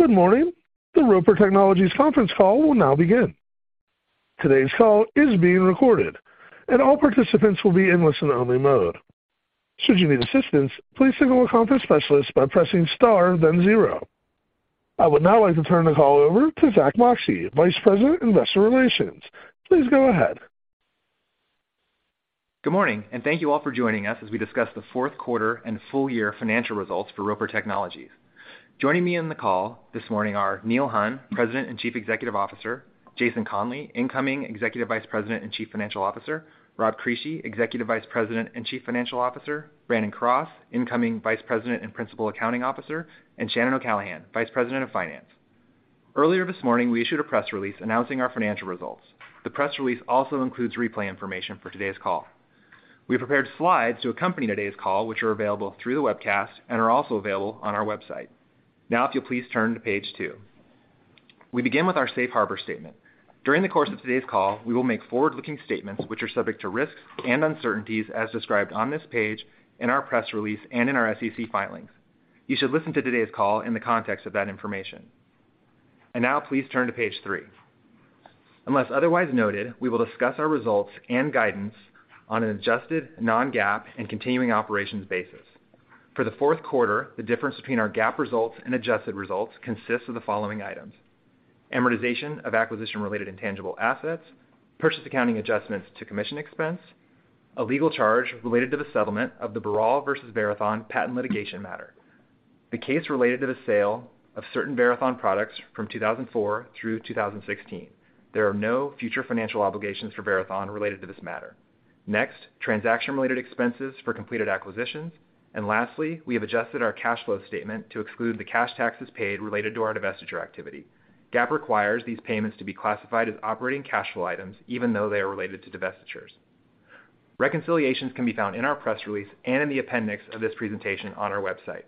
Good morning. The Roper Technologies conference call will now begin. Today's call is being recorded, all participants will be in listen-only mode. Should you need assistance, please signal a conference specialist by pressing star then zero. I would now like to turn the call over to Zack Moxcey, Vice President, Investor Relations. Please go ahead. Good morning, thank you all for joining us as we discuss the fourth quarter and full year financial results for Roper Technologies. Joining me in the call this morning are Neil Hunn, President and Chief Executive Officer, Jason Conley, Incoming Executive Vice President and Chief Financial Officer, Rob Crisci, Executive Vice President and Chief Financial Officer, Brandon Cross, Incoming Vice President and Principal Accounting Officer, and Shannon O'Callaghan, Vice President of Finance. Earlier this morning, we issued a press release announcing our financial results. The press release also includes replay information for today's call. We prepared slides to accompany today's call, which are available through the webcast and are also available on our website. If you'll please turn to page 2. We begin with our safe harbor statement. During the course of today's call, we will make forward-looking statements which are subject to risks and uncertainties as described on this page, in our press release, and in our SEC filings. You should listen to today's call in the context of that information. Now please turn to page 3. Unless otherwise noted, we will discuss our results and guidance on an adjusted non-GAAP and continuing operations basis. For the fourth quarter, the difference between our GAAP results and adjusted results consists of the following items: amortization of acquisition-related intangible assets, purchase accounting adjustments to commission expense, a legal charge related to the settlement of the Berald versus Verathon patent litigation matter. The case related to the sale of certain Verathon products from 2004 through 2016. There are no future financial obligations for Verathon related to this matter. Next, transaction-related expenses for completed acquisitions. Lastly, we have adjusted our cash flow statement to exclude the cash taxes paid related to our divestiture activity. GAAP requires these payments to be classified as operating cash flow items, even though they are related to divestitures. Reconciliations can be found in our press release and in the appendix of this presentation on our website.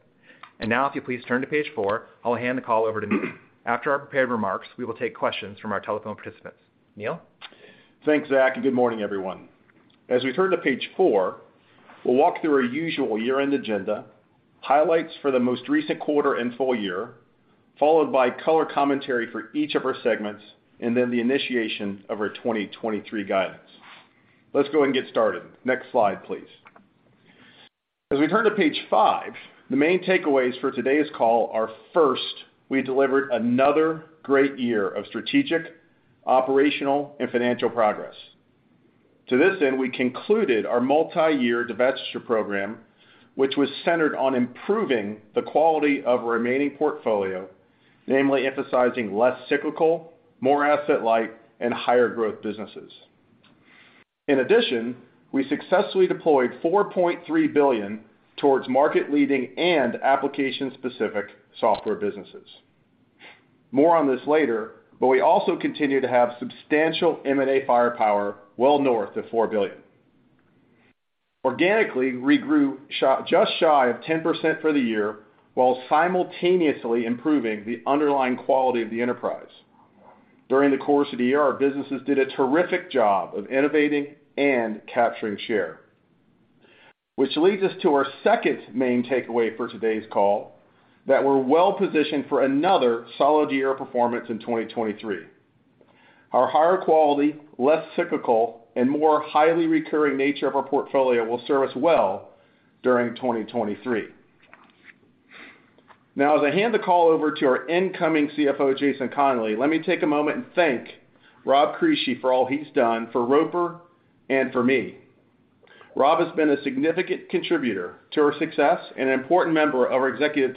Now if you please turn to page 4, I'll hand the call over to Neil. After our prepared remarks, we will take questions from our telephone participants. Neil? Thanks, Zack. Good morning, everyone. As we turn to page 4, we'll walk through our usual year-end agenda, highlights for the most recent quarter and full year, followed by color commentary for each of our segments, and then the initiation of our 2023 guidance. Let's go and get started. Next slide, please. As we turn to page 5, the main takeaways for today's call are, first, we delivered another great year of strategic, operational, and financial progress. To this end, we concluded our multi-year divestiture program, which was centered on improving the quality of remaining portfolio, namely emphasizing less cyclical, more asset-light, and higher growth businesses. In addition, we successfully deployed $4.3 billion towards market-leading and application-specific software businesses. More on this later, but we also continue to have substantial M&A firepower well north of $4 billion. Organically, we grew just shy of 10% for the year, while simultaneously improving the underlying quality of the enterprise. During the course of the year, our businesses did a terrific job of innovating and capturing share. Which leads us to our second main takeaway for today's call, that we're well-positioned for another solid year of performance in 2023. Our higher quality, less cyclical, and more highly recurring nature of our portfolio will serve us well during 2023. Now as I hand the call over to our incoming CFO, Jason Conley, let me take a moment and thank Rob Crisci for all he's done for Roper and for me. Rob has been a significant contributor to our success and an important member of our executive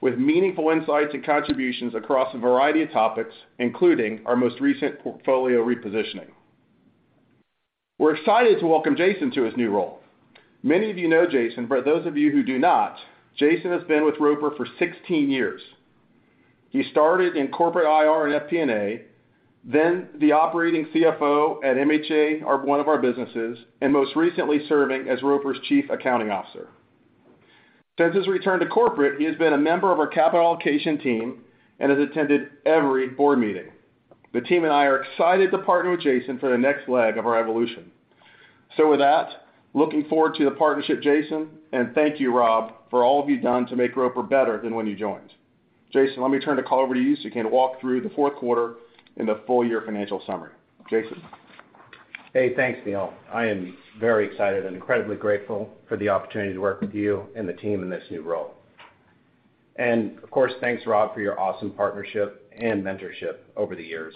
team with meaningful insights and contributions across a variety of topics, including our most recent portfolio repositioning. We're excited to welcome Jason to his new role. Many of you know Jason, but those of you who do not, Jason has been with Roper Technologies for 16 years. He started in corporate IR and FP&A, then the operating CFO at MHA, one of our businesses, and most recently serving as Roper Technologies' Chief Accounting Officer. Since his return to corporate, he has been a member of our capital allocation team and has attended every board meeting. The team and I are excited to partner with Jason for the next leg of our evolution. Looking forward to the partnership, Jason, and thank you, Rob Crisci, for all you've done to make Roper Technologies better than when you joined. Jason, let me turn the call over to you so you can walk through the fourth quarter and the full year financial summary. Jason? Hey, thanks, Neil. I am very excited and incredibly grateful for the opportunity to work with you and the team in this new role. Of course, thanks, Rob, for your awesome partnership and mentorship over the years.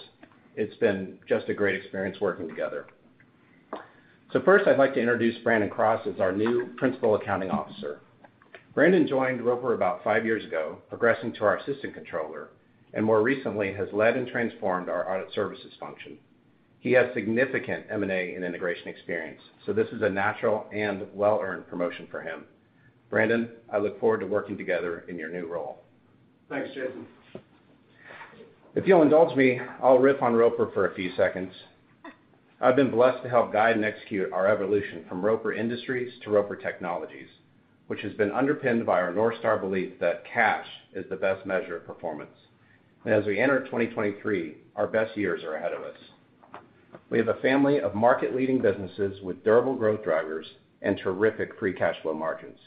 It's been just a great experience working together. First I'd like to introduce Brandon Cross as our new Principal Accounting Officer. Brandon joined Roper about 5 years ago, progressing to our assistant controller, and more recently has led and transformed our audit services function. He has significant M&A and integration experience, this is a natural and well-earned promotion for him. Brandon, I look forward to working together in your new role. Thanks, Jason. If you'll indulge me, I'll riff on Roper for a few seconds. I've been blessed to help guide and execute our evolution from Roper Industries to Roper Technologies, which has been underpinned by our North Star belief that cash is the best measure of performance. As we enter 2023, our best years are ahead of us. We have a family of market-leading businesses with durable growth drivers and terrific free cash flow margins.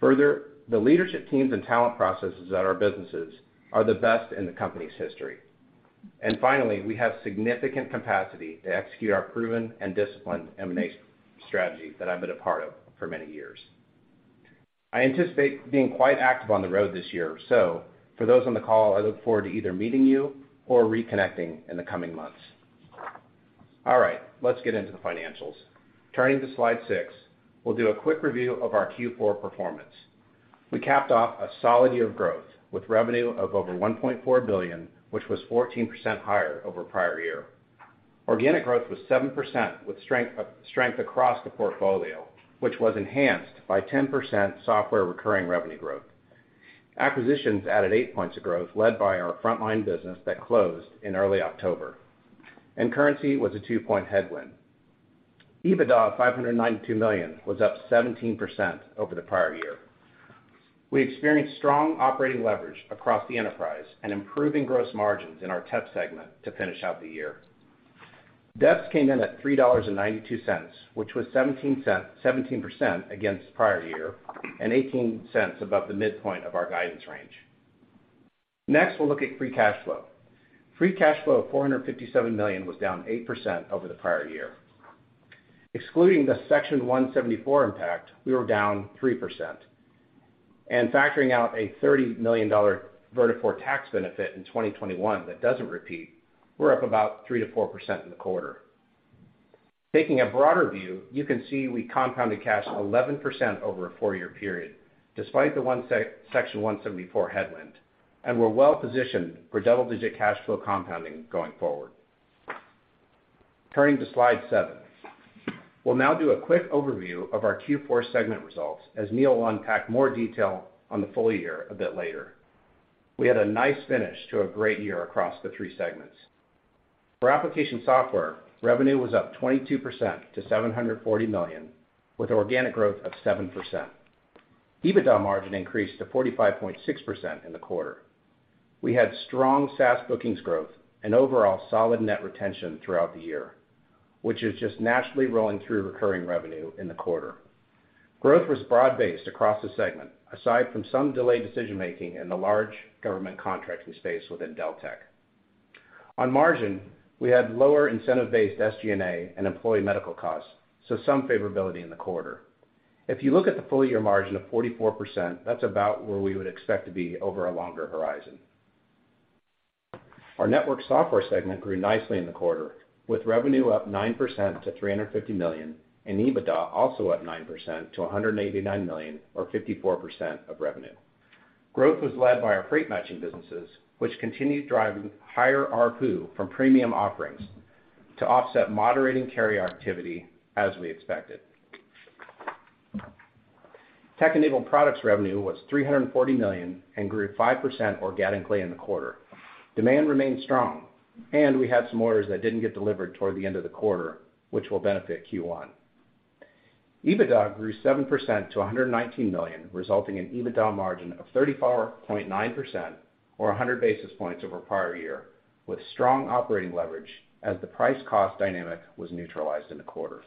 Further, the leadership teams and talent processes at our businesses are the best in the company's history. Finally, we have significant capacity to execute our proven and disciplined M&A strategy that I've been a part of for many years. I anticipate being quite active on the road this year. For those on the call, I look forward to either meeting you or reconnecting in the coming months. All right, let's get into the financials. Turning to slide 6, we'll do a quick review of our Q4 performance. We capped off a solid year of growth with revenue of over $1.4 billion, which was 14% higher over prior year. Organic growth was 7% with strength across the portfolio, which was enhanced by 10% software recurring revenue growth. Acquisitions added 8 points of growth led by our Frontline Education business that closed in early October, and currency was a 2-point headwind. EBITDA of $592 million was up 17% over the prior year. We experienced strong operating leverage across the enterprise and improving gross margins in our tech segment to finish out the year. EPS came in at $3.92, which was 17% against prior year and $0.18 above the midpoint of our guidance range. Next, we'll look at free cash flow. Free cash flow of $457 million was down 8% over the prior year. Excluding the Section 174 impact, we were down 3%. Factoring out a $30 million Vertafore tax benefit in 2021 that doesn't repeat, we're up about 3%-4% in the quarter. Taking a broader view, you can see we compounded cash 11% over a four-year period despite the Section 174 headwind, and we're well positioned for double-digit cash flow compounding going forward. Turning to slide seven. We'll now do a quick overview of our Q4 segment results as Neil will unpack more detail on the full year a bit later. We had a nice finish to a great year across the three segments. For application software, revenue was up 22% to $740 million, with organic growth of 7%. EBITDA margin increased to 45.6% in the quarter. We had strong SaaS bookings growth and overall solid net retention throughout the year, which is just naturally rolling through recurring revenue in the quarter. Growth was broad-based across the segment, aside from some delayed decision-making in the large government contracting space within Deltek. On margin, we had lower incentive-based SG&A and employee medical costs, some favorability in the quarter. If you look at the full year margin of 44%, that's about where we would expect to be over a longer horizon. Our network software segment grew nicely in the quarter, with revenue up 9% to $350 million, and EBITDA also up 9% to $189 million or 54% of revenue. Growth was led by our freight matching businesses, which continued driving higher ARPU from premium offerings to offset moderating carrier activity as we expected. Tech-enabled products revenue was $340 million and grew 5% organically in the quarter. Demand remained strong, and we had some orders that didn't get delivered toward the end of the quarter, which will benefit Q1. EBITDA grew 7% to $119 million, resulting in EBITDA margin of 34.9% or 100 basis points over prior year, with strong operating leverage as the price cost dynamic was neutralized in the quarter.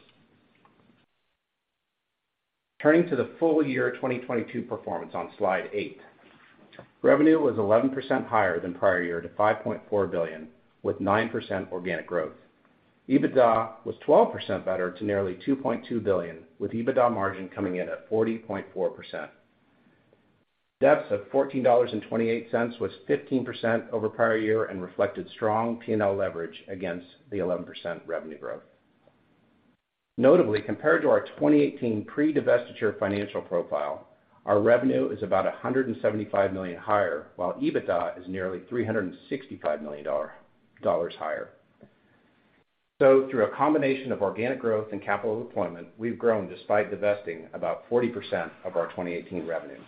Turning to the full year 2022 performance on slide 8. Revenue was 11% higher than prior year to $5.4 billion, with 9% organic growth. EBITDA was 12% better to nearly $2.2 billion, with EBITDA margin coming in at 40.4%. Depths of $14.28 was 15% over prior year and reflected strong P&L leverage against the 11% revenue growth. Notably, compared to our 2018 pre-divestiture financial profile, our revenue is about $175 million higher, while EBITDA is nearly $365 million higher. Through a combination of organic growth and capital deployment, we've grown despite divesting about 40% of our 2018 revenue.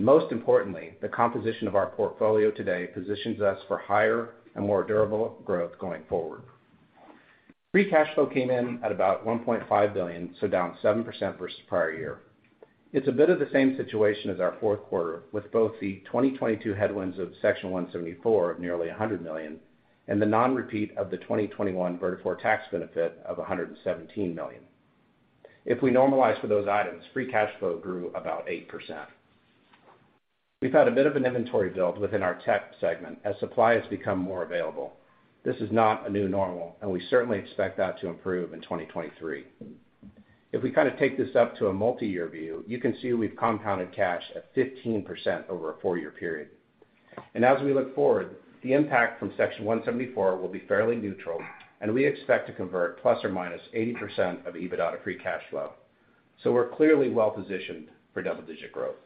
Most importantly, the composition of our portfolio today positions us for higher and more durable growth going forward. Free cash flow came in at about $1.5 billion, so down 7% versus prior year. It's a bit of the same situation as our fourth quarter, with both the 2022 headwinds of Section 174 of nearly $100 million and the non-repeat of the 2021 Vertafore tax benefit of $117 million. If we normalize for those items, free cash flow grew about 8%. We've had a bit of an inventory build within our tech segment as supply has become more available. This is not a new normal, and we certainly expect that to improve in 2023. If we take this up to a multi-year view, you can see we've compounded cash at 15% over a four-year period. As we look forward, the impact from Section 174 will be fairly neutral, and we expect to convert ±80% of EBITDA to free cash flow. We're clearly well-positioned for double-digit growth.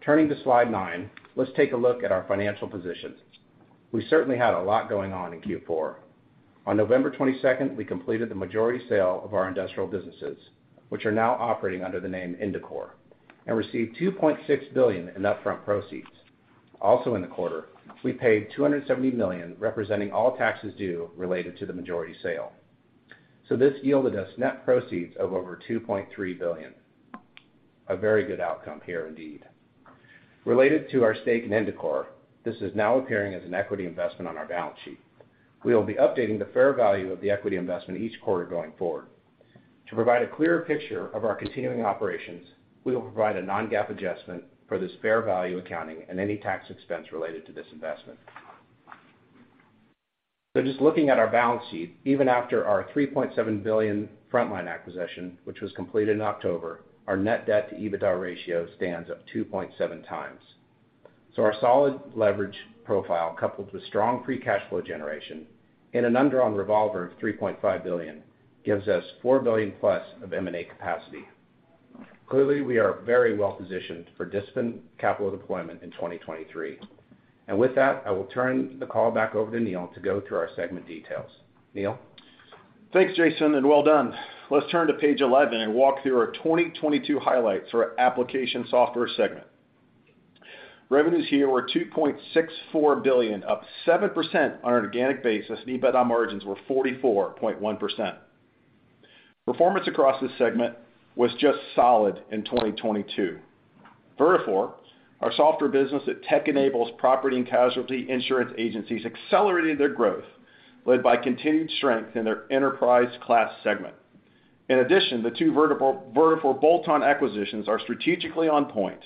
Turning to slide 9, let's take a look at our financial position. We certainly had a lot going on in Q4. On November 22nd, we completed the majority sale of our industrial businesses, which are now operating under the name Indicor, and received $2.6 billion in upfront proceeds. Also in the quarter, we paid $270 million representing all taxes due related to the majority sale. This yielded us net proceeds of over $2.3 billion. A very good outcome here indeed. Related to our stake in Indicor, this is now appearing as an equity investment on our balance sheet. We'll be updating the fair value of the equity investment each quarter going forward. To provide a clearer picture of our continuing operations, we will provide a non-GAAP adjustment for this fair value accounting and any tax expense related to this investment. Just looking at our balance sheet, even after our $3.7 billion Frontline Education acquisition, which was completed in October, our net debt to EBITDA ratio stands at 2.7 times. Our solid leverage profile, coupled with strong free cash flow generation and an undrawn revolver of $3.5 billion, gives us $4 billion+ of M&A capacity. Clearly, we are very well positioned for disciplined capital deployment in 2023. With that, I will turn the call back over to Neil to go through our segment details. Neil? Thanks, Jason. Well done. Let's turn to page 11 and walk through our 2022 highlights for our application software segment. Revenues here were $2.64 billion, up 7% on an organic basis, and EBITDA margins were 44.1%. Performance across this segment was just solid in 2022. Vertafore, our software business that tech enables property and casualty insurance agencies accelerating their growth, led by continued strength in their enterprise class segment. In addition, the two vertical Vertafore bolt-on acquisitions are strategically on point,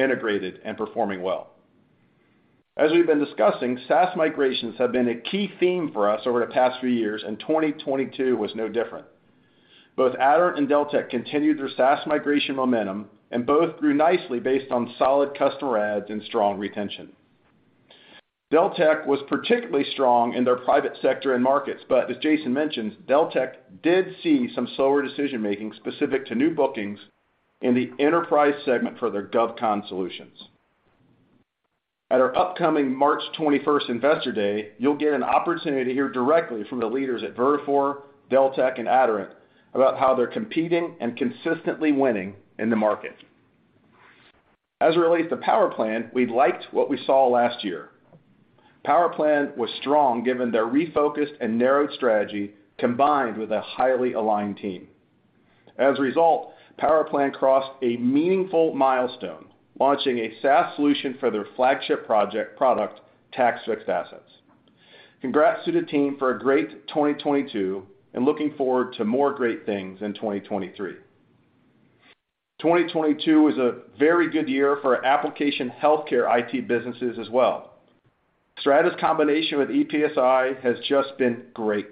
integrated, and performing well. As we've been discussing, SaaS migrations have been a key theme for us over the past few years, and 2022 was no different. Both Aderant and Deltek continued their SaaS migration momentum, and both grew nicely based on solid customer adds and strong retention. Deltek was particularly strong in their private sector end markets. As Jason mentioned, Deltek did see some slower decision-making specific to new bookings in the enterprise segment for their GovCon solutions. At our upcoming March 21st investor day, you'll get an opportunity to hear directly from the leaders at Vertafore, Deltek, and Aderant about how they're competing and consistently winning in the market. As it relates to PowerPlan, we liked what we saw last year. PowerPlan was strong, given their refocused and narrowed strategy, combined with a highly aligned team. As a result, PowerPlan crossed a meaningful milestone, launching a SaaS solution for their flagship product, Tax Fixed Assets. Congrats to the team for a great 2022 and looking forward to more great things in 2023. 2022 was a very good year for application healthcare IT businesses as well. StrataJazz combination with EPSi has just been great.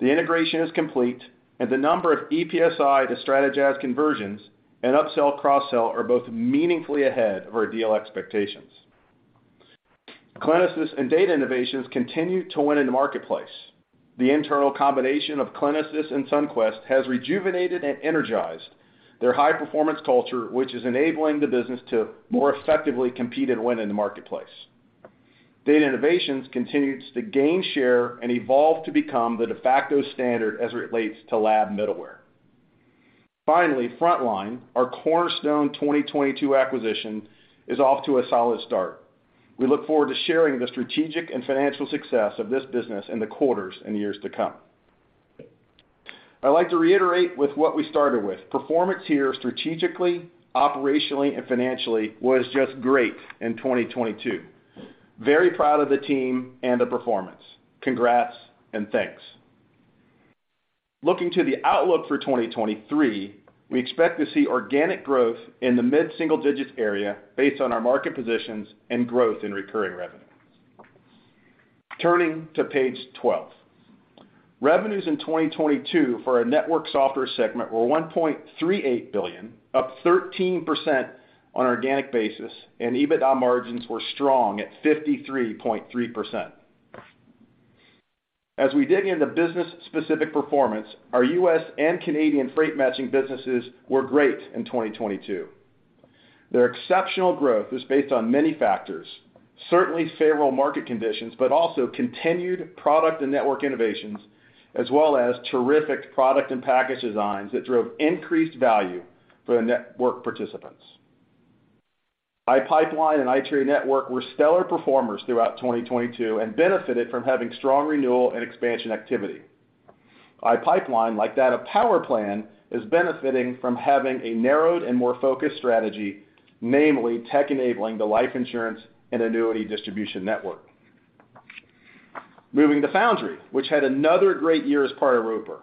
The integration is complete. The number of EPSi to StrataJazz conversions and upsell, cross-sell are both meaningfully ahead of our deal expectations. Clinisys and Data Innovations continue to win in the marketplace. The internal combination of Clinisys and Sunquest has rejuvenated and energized their high-performance culture, which is enabling the business to more effectively compete and win in the marketplace. Data Innovations continues to gain share and evolve to become the de facto standard as it relates to lab middleware. Finally, Frontline, our cornerstone 2022 acquisition, is off to a solid start. We look forward to sharing the strategic and financial success of this business in the quarters and years to come. I'd like to reiterate with what we started with. Performance here, strategically, operationally, and financially was just great in 2022. Very proud of the team and the performance. Congrats, thanks. Looking to the outlook for 2023, we expect to see organic growth in the mid-single digits based on our market positions and growth in recurring revenue. Turning to page 12. Revenues in 2022 for our network software segment were $1.38 billion, up 13% on organic basis. EBITDA margins were strong at 53.3%. As we dig into business-specific performance, our U.S. and Canadian freight matching businesses were great in 2022. Their exceptional growth is based on many factors, certainly favorable market conditions, also continued product and network innovations, as well as terrific product and package designs that drove increased value for the network participants. iPipeline and iTradeNetwork were stellar performers throughout 2022 benefited from having strong renewal and expansion activity. iPipeline, like that of PowerPlan, is benefiting from having a narrowed and more focused strategy, namely tech enabling the life insurance and annuity distribution network. Moving to Foundry, which had another great year as part of Roper.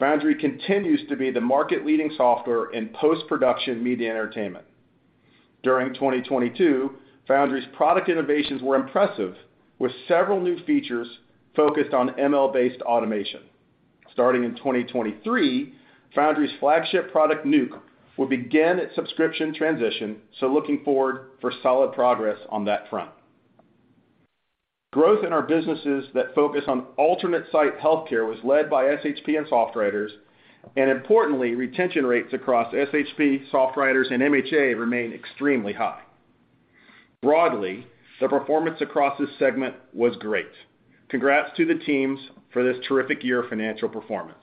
Foundry continues to be the market-leading software in post-production media entertainment. During 2022, Foundry's product innovations were impressive, with several new features focused on ML-based automation. Starting in 2023, Foundry's flagship product, Nuke, will begin its subscription transition, so looking forward for solid progress on that front. Growth in our businesses that focus on alternate site healthcare was led by SHP and SoftWriters, and importantly, retention rates across SHP, SoftWriters, and MHA remain extremely high. Broadly, the performance across this segment was great. Congrats to the teams for this terrific year of financial performance.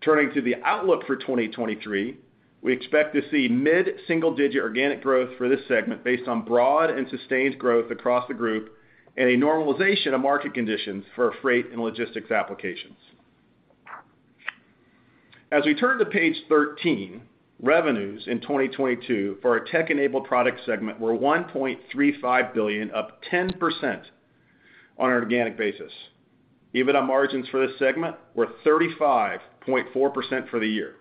Turning to the outlook for 2023, we expect to see mid-single digit organic growth for this segment based on broad and sustained growth across the group and a normalization of market conditions for our freight and logistics applications. As we turn to page 13, revenues in 2022 for our tech-enabled product segment were $1.35 billion, up 10% on an organic basis. EBITDA margins for this segment were 35.4% for the year.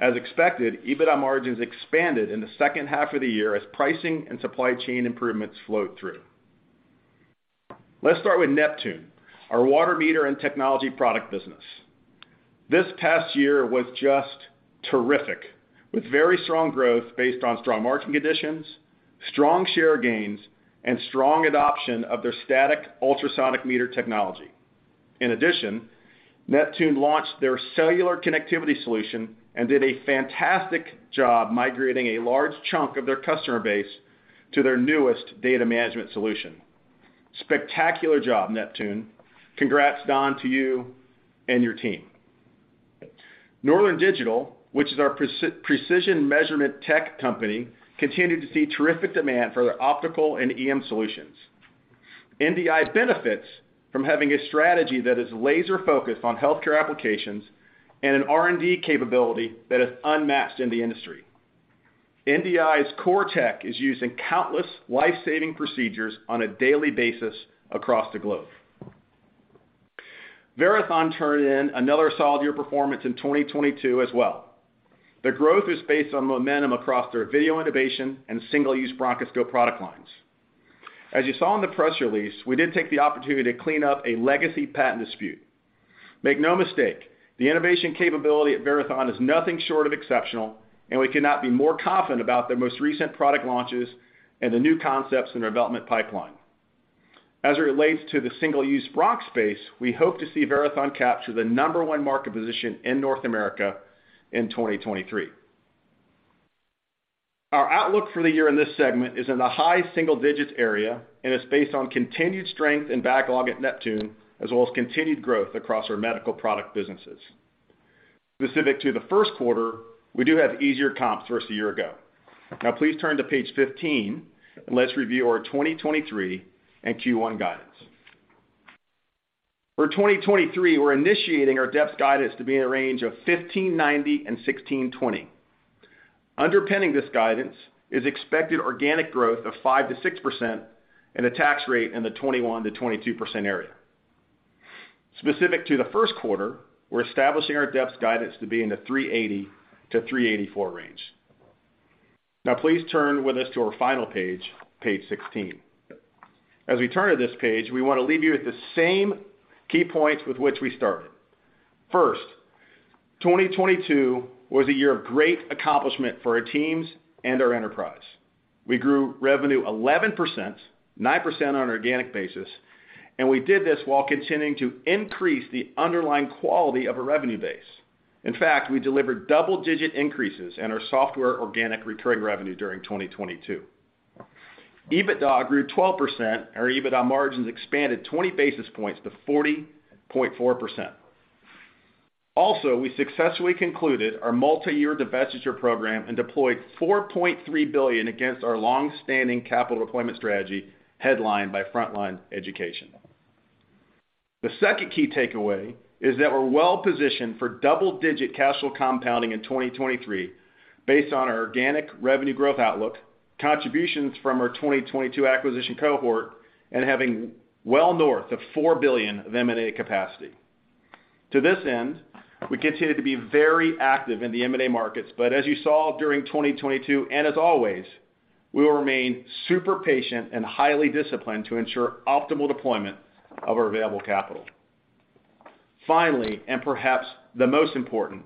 As expected, EBITDA margins expanded in the second half of the year as pricing and supply chain improvements flowed through. Let's start with Neptune, our water meter and technology product business. This past year was just terrific, with very strong growth based on strong market conditions, strong share gains, and strong adoption of their static ultrasonic meter technology. In addition Neptune launched their cellular connectivity solution and did a fantastic job migrating a large chunk of their customer base to their newest data management solution. Spectacular job, Neptune. Congrats, Don, to you and your team. Northern Digital, which is our precision measurement tech company, continued to see terrific demand for their optical and EM solutions. NDI benefits from having a strategy that is laser-focused on healthcare applications and an R&D capability that is unmatched in the industry. NDI's core tech is used in countless life-saving procedures on a daily basis across the globe. Verathon turned in another solid year of performance in 2022 as well. The growth is based on momentum across their video innovation and single-use bronchoscope product lines. As you saw in the press release, we did take the opportunity to clean up a legacy patent dispute. Make no mistake, the innovation capability at Verathon is nothing short of exceptional, and we could not be more confident about their most recent product launches and the new concepts in their development pipeline. As it relates to the single-use bronc space, we hope to see Verathon capture the number one market position in North America in 2023. Our outlook for the year in this segment is in the high single digits area and is based on continued strength and backlog at Neptune, as well as continued growth across our medical product businesses. Specific to the first quarter, we do have easier comps versus a year ago. Please turn to page 15, and let's review our 2023 and Q1 guidance. For 2023, we're initiating our depth guidance to be in a range of $15.90 and $16.20. Underpinning this guidance is expected organic growth of 5%-6% and a tax rate in the 21%-22% area. Specific to the 1st quarter, we're establishing our depth guidance to be in the $3.80-$3.84 range. Now please turn with us to our final page 16. As we turn to this page, we want to leave you with the same key points with which we started. First, 2022 was a year of great accomplishment for our teams and our enterprise. We grew revenue 11%, 9% on an organic basis, and we did this while continuing to increase the underlying quality of our revenue base. In fact, we delivered double-digit increases in our software organic recurring revenue during 2022. EBITDA grew 12%, and our EBITDA margins expanded 20 basis points to 40.4%. We successfully concluded our multiyear divestiture program and deployed $4.3 billion against our long-standing capital deployment strategy, headlined by Frontline Education. The second key takeaway is that we're well positioned for double-digit cash flow compounding in 2023 based on our organic revenue growth outlook, contributions from our 2022 acquisition cohort, and having well north of $4 billion of M&A capacity. To this end, we continue to be very active in the M&A markets, but as you saw during 2022, and as always, we will remain super patient and highly disciplined to ensure optimal deployment of our available capital. Finally, and perhaps the most important,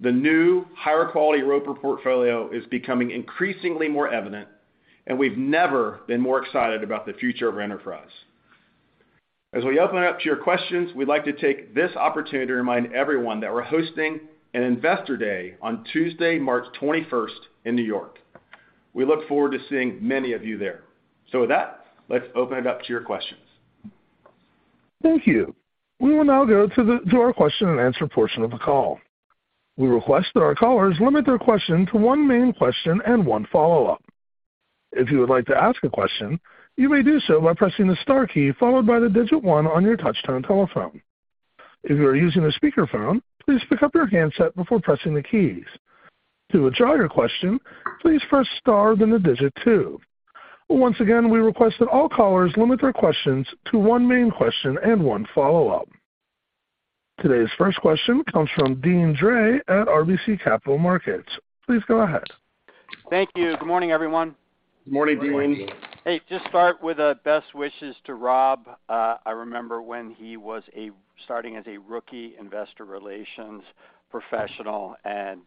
the new higher quality Roper portfolio is becoming increasingly more evident, and we've never been more excited about the future of our enterprise. As we open up to your questions, we'd like to take this opportunity to remind everyone that we're hosting an Investor Day on Tuesday, March 21st in New York. We look forward to seeing many of you there. With that, let's open it up to your questions. Thank you. We will now go to our question-and-answer portion of the call. We request that our callers limit their question to one main question and one follow-up. If you would like to ask a question, you may do so by pressing the star key followed by one on your touchtone telephone. If you are using a speakerphone, please pick up your handset before pressing the keys. To withdraw your question, please press star, then two. Once again, we request that all callers limit their questions to one main question and one follow-up. Today's first question comes from Deane Dray at RBC Capital Markets. Please go ahead. Thank you. Good morning, everyone. Morning, Dean. Hey, just start with a best wishes to Rob. I remember when he was starting as a rookie investor relations professional and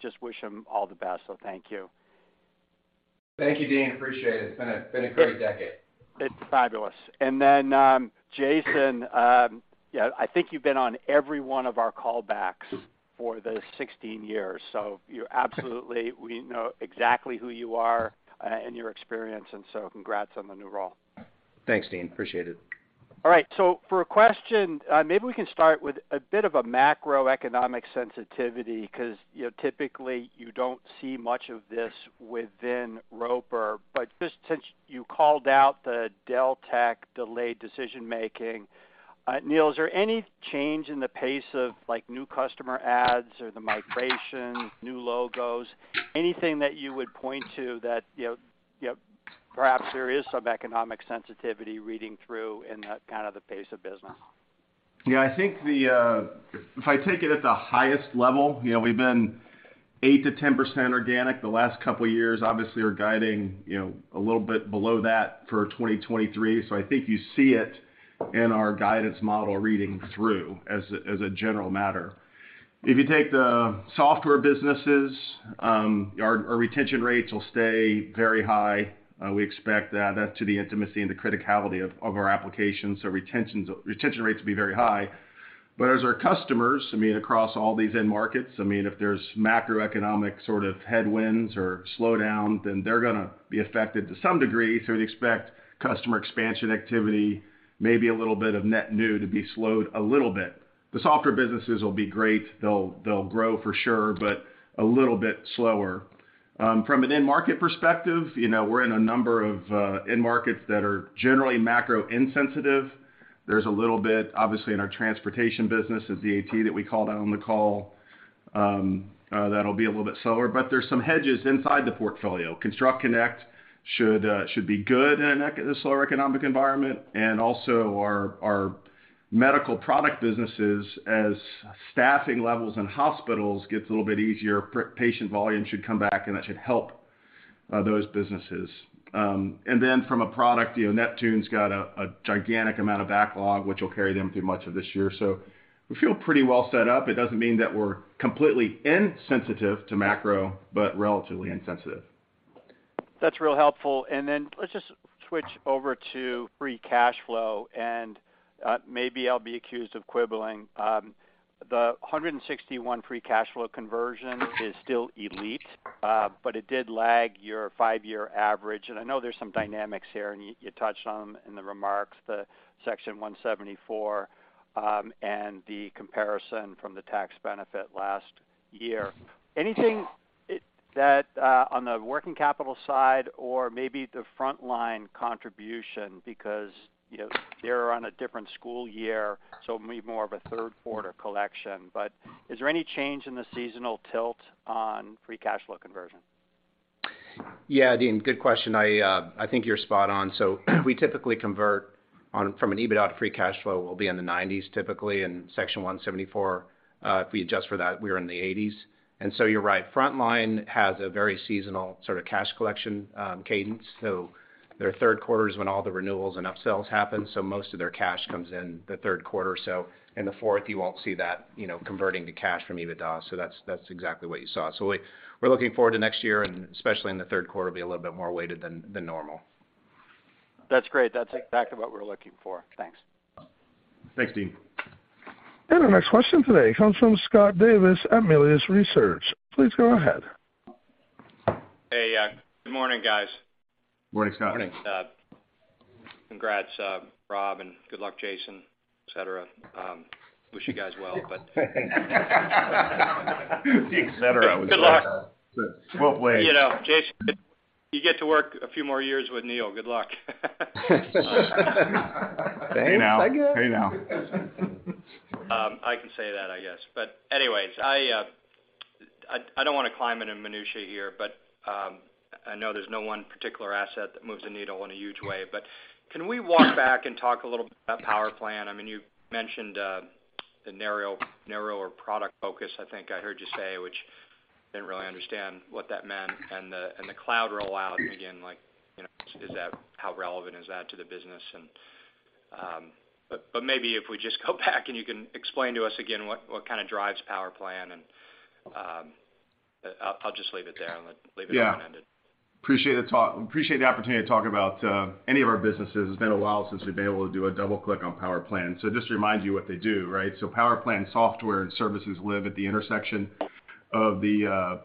just wish him all the best. Thank you. Thank you, Deane. Appreciate it. It's been a great decade. It's fabulous. Jason, yeah, I think you've been on every one of our call backs for the 16 years, you're absolutely. We know exactly who you are, and your experience, congrats on the new role. Thanks, Deane Dray. Appreciate it. All right. For a question, maybe we can start with a bit of a macroeconomic sensitivity because, you know, typically you don't see much of this within Roper, but just since you called out the Deltek delayed decision-making, Neil, is there any change in the pace of like new customer ads or the migration, new logos? Anything that you would point to that, you know, perhaps there is some economic sensitivity reading through in the kind of the pace of business. Yeah, I think the, if I take it at the highest level, you know, we've been 8%-10% organic the last couple of years. Obviously, we're guiding, you know, a little bit below that for 2023. I think you see it in our guidance model reading through as a general matter. If you take the software businesses, our retention rates will stay very high. We expect that to the intimacy and the criticality of our applications. Retention rates will be very high. As our customers, I mean, across all these end markets, I mean, if there's macroeconomic sort of headwinds or slowdown, then they're gonna be affected to some degree. We'd expect customer expansion activity, maybe a little bit of net new to be slowed a little bit. The softer businesses will be great. They'll grow for sure, but a little bit slower. From an end market perspective, you know, we're in a number of end markets that are generally macro insensitive. There's a little bit, obviously, in our transportation business, DAT that we called out on the call, that'll be a little bit slower. There's some hedges inside the portfolio. ConstructConnect should be good in this lower economic environment. Also our medical product businesses, as staffing levels in hospitals gets a little bit easier, patient volume should come back, and that should help those businesses. From a product, you know, Neptune's got a gigantic amount of backlog, which will carry them through much of this year. We feel pretty well set up. It doesn't mean that we're completely insensitive to macro, but relatively insensitive. That's real helpful. Then let's just switch over to free cash flow, maybe I'll be accused of quibbling. The 161 free cash flow conversion is still elite, but it did lag your 5-year average. I know there's some dynamics here, and you touched on them in the remarks, the Section 174, and the comparison from the tax benefit last year. Anything that on the working capital side or maybe the Frontline Education contribution, because, you know, they're on a different school year, so maybe more of a third quarter collection. Is there any change in the seasonal tilt on free cash flow conversion? Deane, good question. I think you're spot on. We typically convert from an EBITDA free cash flow, we'll be in the 90s% typically in Section 174. If we adjust for that, we're in the 80s%. You're right. Frontline has a very seasonal sort of cash collection cadence. Their third quarter is when all the renewals and upsells happen, most of their cash comes in the third quarter. In the fourth, you won't see that, you know, converting to cash from EBITDA. That's, that's exactly what you saw. We're looking forward to next year, and especially in the third quarter, be a little bit more weighted than normal. That's great. That's exactly what we're looking for. Thanks. Thanks, Deane. The next question today comes from Scott Davis at Melius Research. Please go ahead. Hey, good morning, guys. Morning, Scott. Morning. Congrats, Rob, and good luck, Jason, et cetera. Wish you guys well. Et cetera. Good luck. You know, Jason, you get to work a few more years with Neil. Good luck. Thanks, I guess. Hey, now. I can say that, I guess. Anyways, I don't wanna climb into minutia here, but I know there's no one particular asset that moves the needle in a huge way. Can we walk back and talk a little bit about PowerPlan? I mean, you mentioned, the narrower product focus, I think I heard you say, which I didn't really understand what that meant, and the, and the cloud rollout again, like, you know, is that how relevant is that to the business? Maybe if we just go back, and you can explain to us again what kinda drives PowerPlan and I'll just leave it there and leave it open-ended. Yeah. Appreciate the talk. Appreciate the opportunity to talk about any of our businesses. It's been a while since we've been able to do a double-click on PowerPlan. Just to remind you what they do, right? PowerPlan software and services live at the intersection of the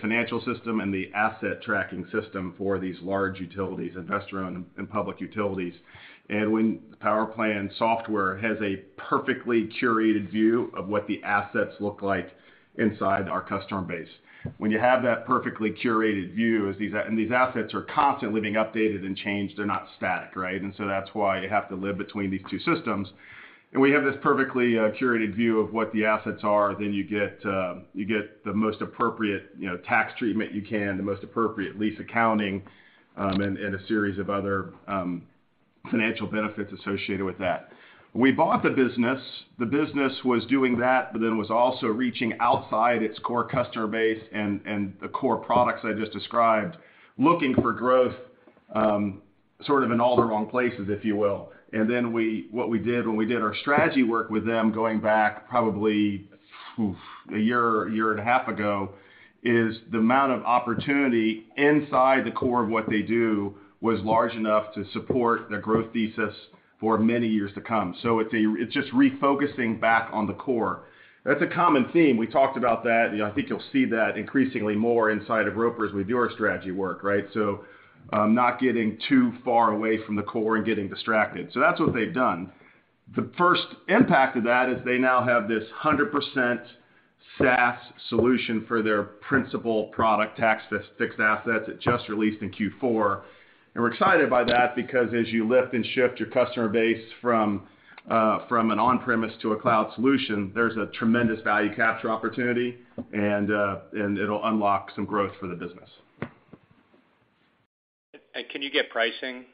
financial system and the asset tracking system for these large utilities, investor-owned and public utilities. When PowerPlan software has a perfectly curated view of what the assets look like inside our customer base. When you have that perfectly curated view, and these assets are constantly being updated and changed, they're not static, right? That's why you have to live between these two systems. We have this perfectly curated view of what the assets are, then you get, you get the most appropriate, you know, tax treatment you can, the most appropriate lease accounting, and a series of other financial benefits associated with that. We bought the business. The business was doing that, but then was also reaching outside its core customer base and the core products I just described, looking for growth, sort of in all the wrong places, if you will. What we did when we did our strategy work with them, going back probably one year, one and a half years ago, is the amount of opportunity inside the core of what they do was large enough to support the growth thesis for many years to come. It's just refocusing back on the core. That's a common theme. We talked about that. You know, I think you'll see that increasingly more inside of Roper's with your strategy work, right? Not getting too far away from the core and getting distracted. That's what they've done. The first impact of that is they now have this 100% SaaS solution for their principal product Tax Fixed Assets, it just released in Q4. We're excited by that because as you lift and shift your customer base from an on-premise to a cloud solution, there's a tremendous value capture opportunity and it'll unlock some growth for the business. Can you get pricing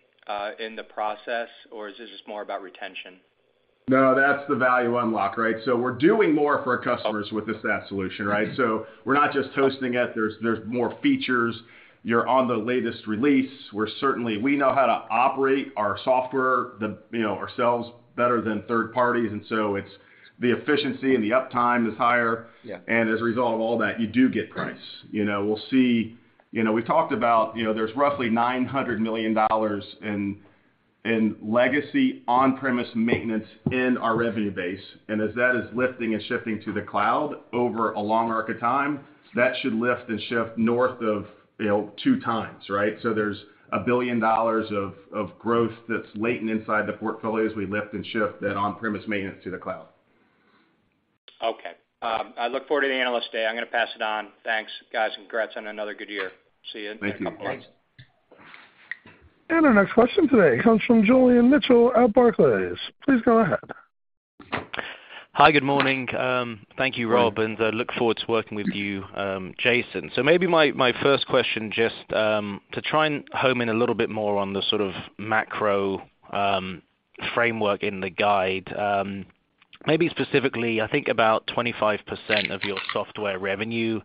in the process? Or is this just more about retention? No, that's the value unlock, right? We're doing more for our customers with the SaaS solution, right? We're not just hosting it. There's more features. You're on the latest release. We know how to operate our software, you know, ourselves better than third parties, and so it's the efficiency and the uptime is higher. Yeah. As a result of all that, you do get price. You know, we'll see. You know, we talked about, you know, there's roughly $900 million in legacy on-premise maintenance in our revenue base, and as that is lifting and shifting to the cloud over a long arc of time, that should lift and shift north of, you know, 2x, right? There's $1 billion of growth that's latent inside the portfolio as we lift and shift that on-premise maintenance to the cloud. Okay. I look forward to the Analyst Day. I'm gonna pass it on. Thanks, guys. Congrats on another good year. See you in a couple of months. Thank you. Our next question today comes from Julian Mitchell at Barclays. Please go ahead. Hi. Good morning. Thank you, Rob, and I look forward to working with you, Jason. Maybe my first question, just to try and home in a little bit more on the sort of macro framework in the guide, maybe specifically, I think about 25% of your software revenue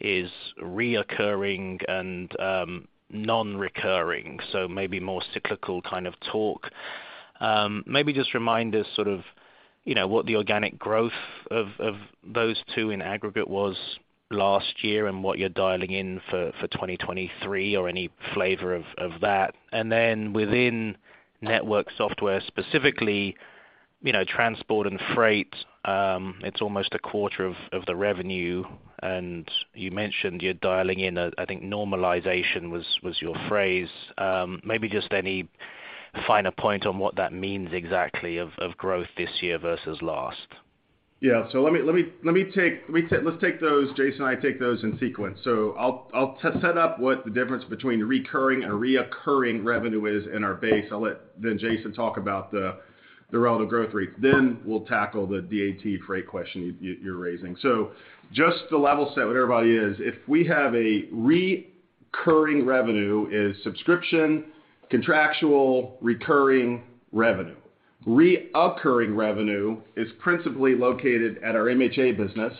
is reoccurring and non-recurring, so maybe more cyclical kind of talk. Maybe just remind us sort of, you know, what the organic growth of those two in aggregate was last year and what you're dialing in for 2023 or any flavor of that. Then within network software, specifically, you know, transport and freight, it's almost a quarter of the revenue, and you mentioned you're dialing in, I think normalization was your phrase. Maybe just any finer point on what that means exactly of growth this year versus last? Let me take those, Jason and I take those in sequence. I'll set up what the difference between recurring and reoccurring revenue is in our base. I'll let then Jason talk about the relative growth rate. We'll tackle the DAT freight question you're raising. Just to level set what everybody is, if we have a recurring revenue is subscription, contractual recurring revenue. Reoccurring revenue is principally located at our MHA business.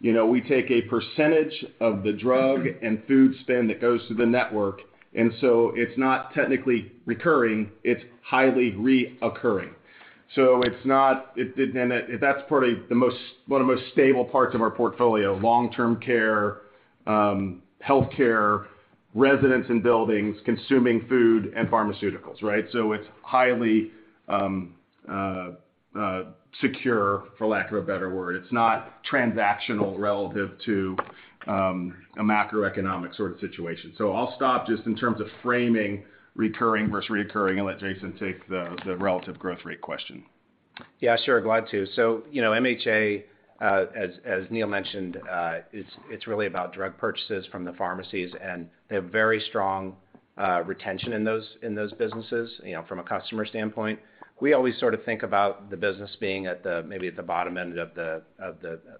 You know, we take a percentage of the drug and food spend that goes to the network, and so it's not technically recurring, it's highly reoccurring. It's not. That's probably one of the most stable parts of our portfolio, long-term care, healthcare, residents in buildings consuming food and pharmaceuticals, right? It's highly secure, for lack of a better word. It's not transactional relative to a macroeconomic sort of situation. I'll stop just in terms of framing recurring versus reoccurring and let Jason take the relative growth rate question. Yeah, sure. Glad to. You know, MHA, as Neil mentioned, it's really about drug purchases from the pharmacies, and they have very strong retention in those businesses, you know, from a customer standpoint. We always sort of think about the business being maybe at the bottom end of the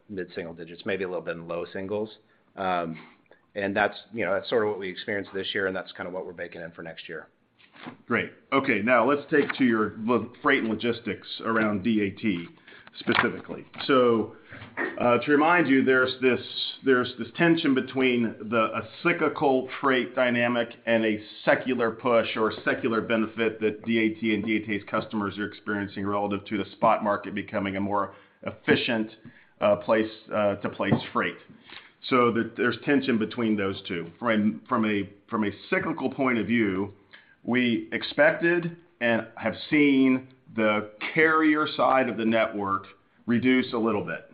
mid-single digits, maybe a little bit in the low singles. That's, you know, that's sort of what we experienced this year, and that's kinda what we're baking in for next year. Great. Okay, now let's take to your freight and logistics around DAT specifically. To remind you, there's this tension between the a cyclical freight dynamic and a secular push or secular benefit that DAT and DAT's customers are experiencing relative to the spot market becoming a more efficient place to place freight. There's tension between those two. From a cyclical point of view, we expected and have seen the carrier side of the network reduce a little bit.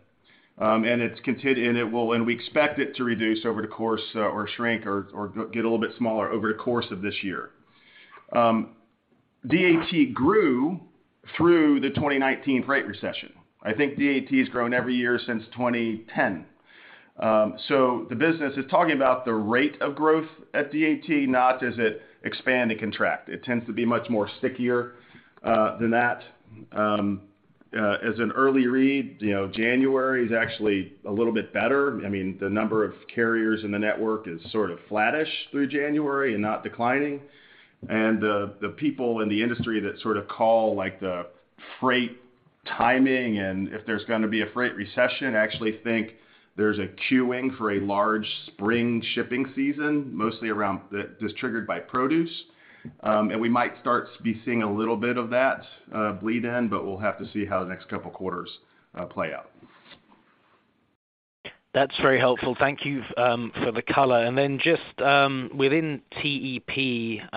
And we expect it to reduce over the course, or shrink or get a little bit smaller over the course of this year. DAT grew through the 2019 freight recession. I think DAT has grown every year since 2010. The business is talking about the rate of growth at DAT, not does it expand and contract. It tends to be much more stickier than that. As an early read, you know, January is actually a little bit better. I mean, the number of carriers in the network is sort of flattish through January and not declining. The people in the industry that sort of call, like, the freight timing and if there's going to be a freight recession, actually think there's a queuing for a large spring shipping season, mostly around that's triggered by produce. We might start be seeing a little bit of that bleed in, but we'll have to see how the next couple quarters play out. That's very helpful. Thank you for the color. Just within TEP,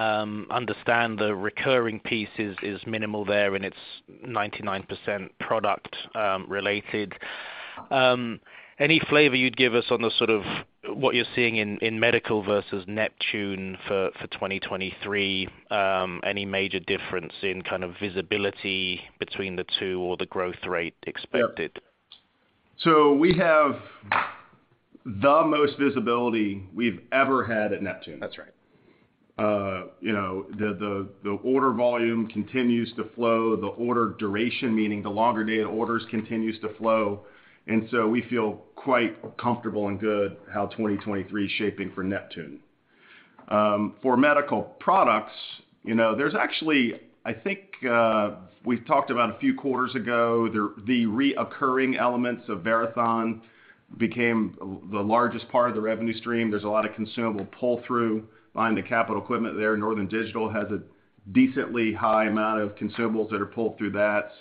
understand the recurring piece is minimal there and it's 99% product-related. Any flavor you'd give us on the sort of what you're seeing in Medical versus Neptune for 2023? Any major difference in kind of visibility between the two or the growth rate expected? We have the most visibility we've ever had at Neptune. That's right. You know, the order volume continues to flow, the order duration, meaning the longer date orders continues to flow. We feel quite comfortable and good how 2023 is shaping for Neptune. For Medical Products, you know, there's actually I think we've talked about a few quarters ago, the reoccurring elements of Verathon became the largest part of the revenue stream. There's a lot of consumable pull-through behind the capital equipment there. Northern Digital has a decently high amount of consumables that are pulled through that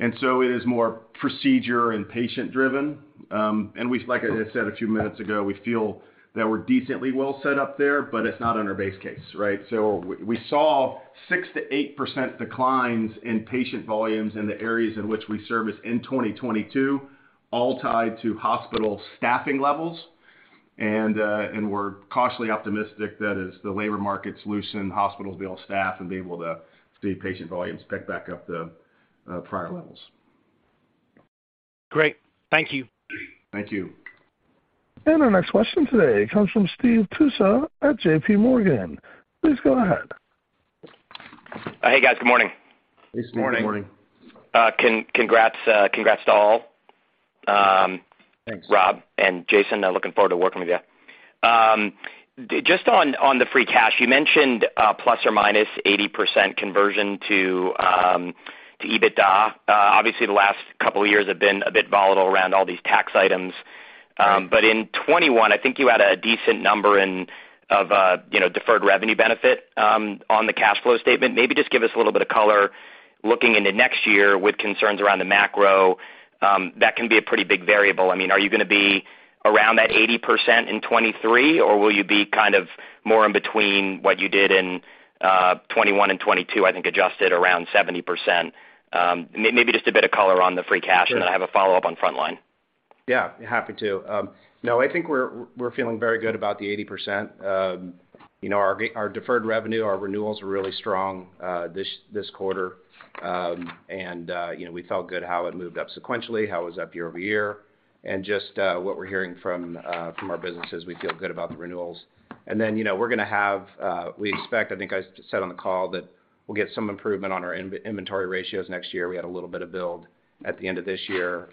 Zip. It is more procedure and patient driven. Like I said a few minutes ago, we feel that we're decently well set up there, but it's not in our base case, right? We saw 6%-8% declines in patient volumes in the areas in which we service in 2022, all tied to hospital staffing levels. We're cautiously optimistic that as the labor markets loosen, hospitals will staff and be able to see patient volumes pick back up to prior levels. Great. Thank you. Thank you. Our next question today comes from Steve Tusa at JPMorgan. Please go ahead. Hey, guys. Good morning. Hey, Steve. Good morning. Congrats to all. Thanks. Rob and Jason, looking forward to working with you. Just on the free cash, you mentioned plus or minus 80% conversion to EBITDA. Obviously, the last couple of years have been a bit volatile around all these tax items. In 2021, I think you had a decent number in of, you know, deferred revenue benefit on the cash flow statement. Maybe just give us a little bit of color looking into next year with concerns around the macro, that can be a pretty big variable. I mean, are you going to be around that 80% in 2023, or will you be kind of more in between what you did in 2021 and 2022, I think adjusted around 70%? Maybe just a bit of color on the free cash, and then I have a follow-up on Frontline. Yeah, happy to. No, I think we're feeling very good about the 80%. You know, our deferred revenue, our renewals were really strong this quarter. You know, we felt good how it moved up sequentially, how it was up year-over-year. Just what we're hearing from our businesses, we feel good about the renewals. You know, we're gonna have, we expect, I think I said on the call, that we'll get some improvement on our inventory ratios next year. We had a little bit of build at the end of this year.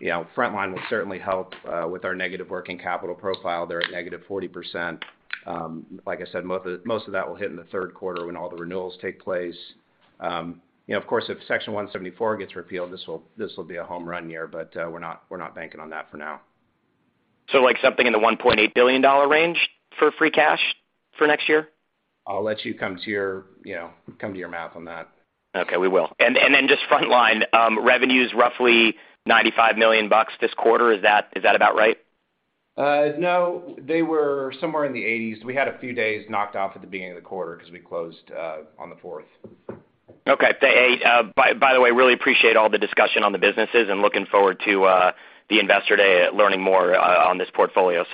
You know, Frontline will certainly help with our negative working capital profile. They're at negative 40%. Like I said, most of that will hit in the third quarter when all the renewals take place. You know, of course, if Section 174 gets repealed, this will be a home run year, but we're not banking on that for now. like something in the $1.8 billion range for free cash for next year? I'll let you come to your, you know, come to your math on that. Okay, we will. Just Frontline revenues roughly $95 million this quarter. Is that about right? No, they were somewhere in the 1980s. We had a few days knocked off at the beginning of the quarter 'cause we closed on the fourth. Okay. Hey, by the way, really appreciate all the discussion on the businesses and looking forward to the Investor Day, learning more on this portfolio.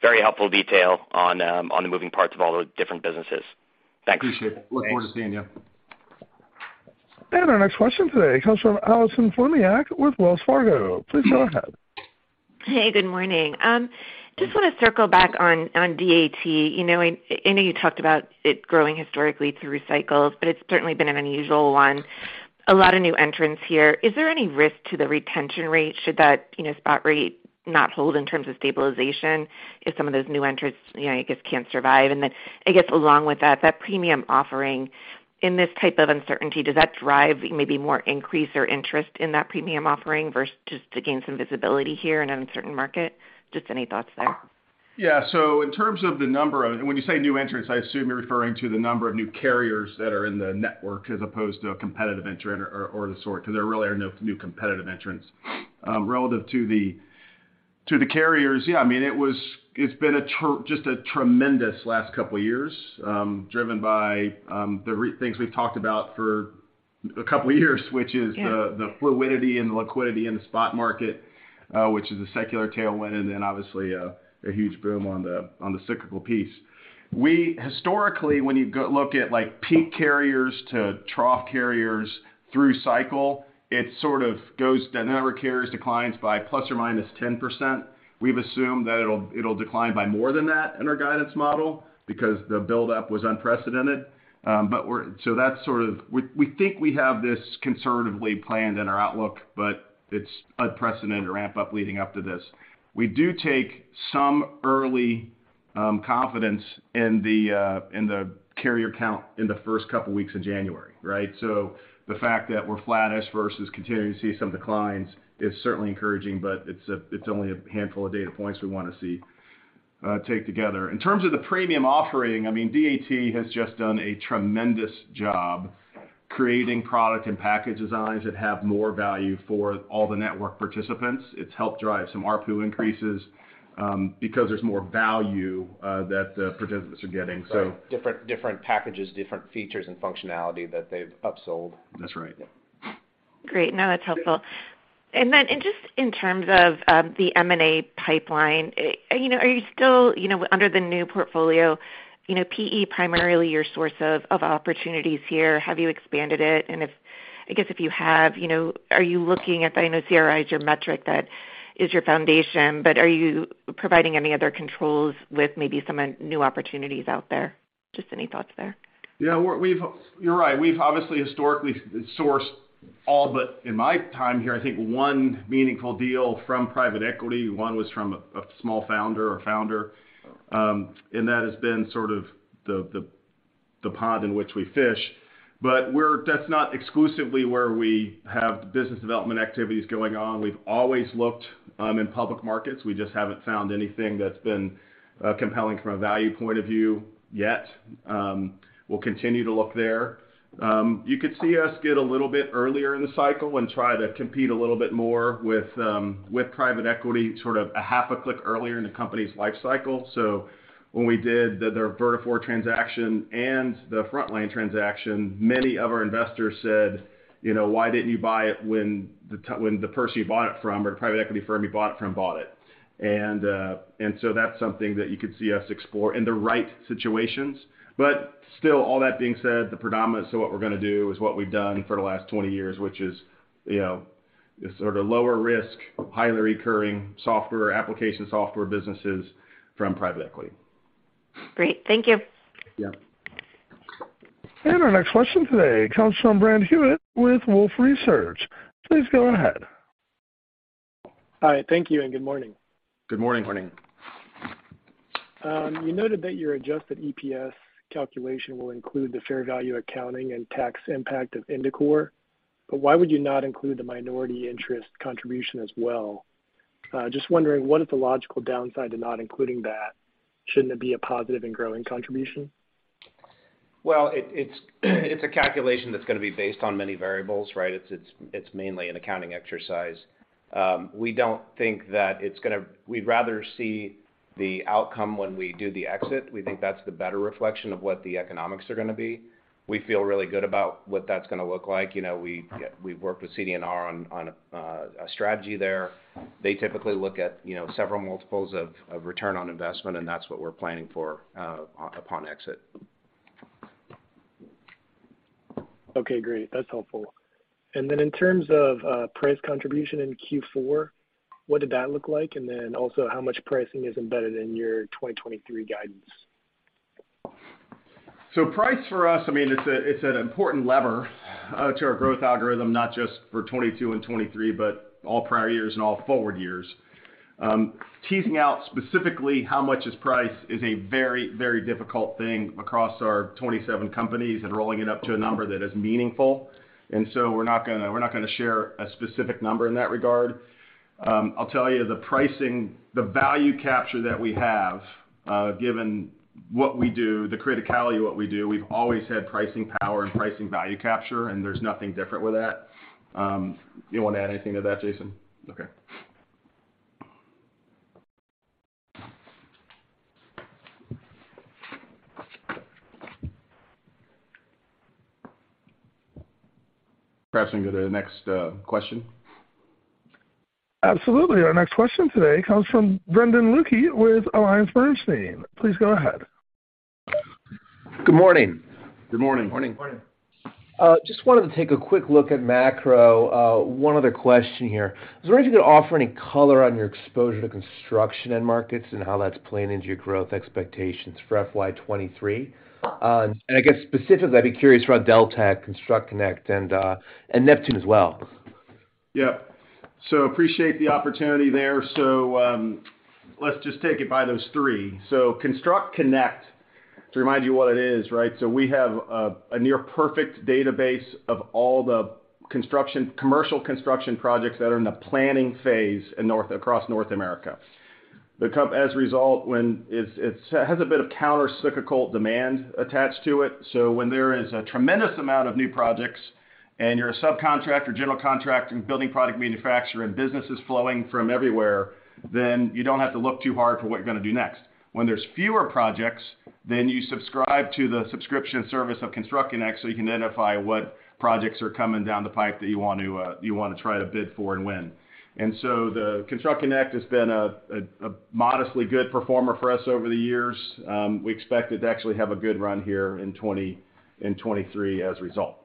Very helpful detail on the moving parts of all the different businesses. Thanks. Appreciate it. Thanks. Look forward to seeing you. Our next question today comes from Allison Poliniak with Wells Fargo. Please go ahead. Hey, good morning. Just wanna circle back on DAT. You know, I know you talked about it growing historically through cycles, but it's certainly been an unusual one. A lot of new entrants here. Is there any risk to the retention rate should that, you know, spot rate not hold in terms of stabilization if some of those new entrants, you know, I guess, can't survive? I guess along with that premium offering, in this type of uncertainty, does that drive maybe more increase or interest in that premium offering versus just to gain some visibility here in an uncertain market? Just any thoughts there? Yeah. In terms of the number of. When you say new entrants, I assume you're referring to the number of new carriers that are in the network as opposed to a competitive entrant or the sort, 'cause there really are no new competitive entrants. Relative to the, to the carriers, yeah, I mean, it's been a tremendous last couple of years, driven by the things we've talked about for a couple of years, which is... Yeah The fluidity and the liquidity in the spot market, which is a secular tailwind and then obviously, a huge boom on the cyclical piece. Historically, when you go look at, like, peak carriers to trough carriers through cycle, the number of carriers declines by ±10%. We've assumed that it'll decline by more than that in our guidance model because the buildup was unprecedented. So that's sort of We think we have this conservatively planned in our outlook, but it's unprecedented ramp up leading up to this. We do take some early confidence in the carrier count in the first couple weeks of January, right? The fact that we're flattish versus continuing to see some declines is certainly encouraging, but it's only a handful of data points we wanna see take together. In terms of the premium offering, I mean, DAT has just done a tremendous job creating product and package designs that have more value for all the network participants. It's helped drive some ARPU increases because there's more value that the participants are getting. Different packages, different features and functionality that they've upsold. That's right. Great. No, that's helpful. Just in terms of the M&A pipeline, you know, are you still, you know, under the new portfolio, you know, PE primarily your source of opportunities here? Have you expanded it? I guess if you have, you know, are you looking at, I know CRI is your metric that is your foundation, but are you providing any other controls with maybe some new opportunities out there? Just any thoughts there? Yeah, we've You're right. We've obviously historically sourced all but, in my time here, I think one meaningful deal from private equity. One was from a small founder or founder. That has been sort of the, the pod in which we fish. That's not exclusively where we have business development activities going on. We've always looked in public markets. We just haven't found anything that's been compelling from a value point of view yet. We'll continue to look there. You could see us get a little bit earlier in the cycle and try to compete a little bit more with private equity, sort of a half a click earlier in the company's life cycle. When we did the Vertafore transaction and the Frontline transaction, many of our investors said, you know, "Why didn't you buy it when the person you bought it from or the private equity firm you bought it from bought it?" That's something that you could see us explore in the right situations. Still, all that being said, the predominance of what we're gonna do is what we've done for the last 20 years, which is, you know, sort of lower risk, highly recurring software, application software businesses from private equity. Great. Thank you. Yeah. Our next question today comes from Brad Hewitt with Wolfe Research. Please go ahead. Hi. Thank you and good morning. Good morning. Good morning. You noted that your Adjusted EPS calculation will include the fair value accounting and tax impact of Indicor, why would you not include the minority interest contribution as well? Just wondering what is the logical downside to not including that? Shouldn't it be a positive and growing contribution? Well, it's a calculation that's gonna be based on many variables, right? It's mainly an accounting exercise. We don't think that. We'd rather see the outcome when we do the exit. We think that's the better reflection of what the economics are gonna be. We feel really good about what that's gonna look like. You know, we've worked with CD&R on a strategy there. They typically look at, you know, several multiples of return on investment, and that's what we're planning for upon exit. Okay, great. That's helpful. Then in terms of price contribution in Q4, what did that look like? Then also, how much pricing is embedded in your 2023 guidance? Price for us, I mean, it's a, it's an important lever to our growth algorithm, not just for 2022 and 2023, but all prior years and all forward years. Teasing out specifically how much is price is a very, very difficult thing across our 27 companies and rolling it up to a number that is meaningful. We're not gonna share a specific number in that regard. I'll tell you, the pricing, the value capture that we have, given what we do, the criticality of what we do, we've always had pricing power and pricing value capture, and there's nothing different with that. You wanna add anything to that, Jason? Okay. Perhaps we can go to the next question. Absolutely. Our next question today comes from Brendan Luecke with AllianceBernstein. Please go ahead. Good morning. Good morning. Morning. Morning. Just wanted to take a quick look at macro. One other question here. Is there anything you can offer any color on your exposure to construction end markets and how that's playing into your growth expectations for FY 2023? And I guess specifically, I'd be curious about Deltek, ConstructConnect, and Neptune as well. Yeah. Appreciate the opportunity there. Let's just take it by those 3. ConstructConnect, to remind you what it is, right? We have a near perfect database of all the construction, commercial construction projects that are in the planning phase across North America. As a result, when it's has a bit of counter-cyclical demand attached to it. When there is a tremendous amount of new projects and you're a subcontractor, general contractor, and building product manufacturer, and business is flowing from everywhere, then you don't have to look too hard for what you're gonna do next. When there's fewer projects, then you subscribe to the subscription service of ConstructConnect, so you can identify what projects are coming down the pipe that you want to, you wanna try to bid for and win. The ConstructConnect has been a modestly good performer for us over the years. We expect it to actually have a good run here in 2023 as a result.